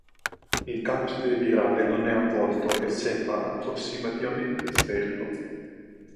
Il capside virale non è avvolto e sembra approssimativamente sferico.